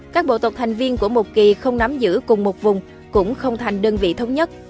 các bộ tộc thành viên của một kỳ không nắm giữ cùng một vùng cũng không thành đơn vị thống nhất